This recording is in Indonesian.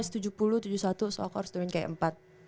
it's tujuh puluh tujuh puluh satu so aku harus turunin kayak